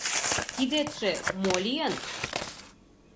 — Кидетше мо лийын?